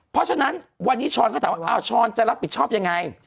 เพราะฉะนั้นวันนี้ช้อนก็ถามว่าช้อนจะรับผิดชอบยังไง